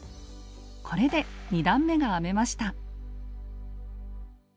これで２段めが編めました。